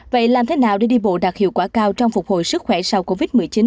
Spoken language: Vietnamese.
vậy làm thế nào để đi bộ đạt hiệu quả cao trong phục hồi sức khỏe sau covid một mươi chín